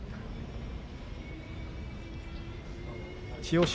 千代翔